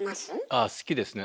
ああ好きですね。